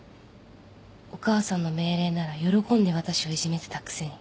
お母さんの命令なら喜んで私をいじめてたくせに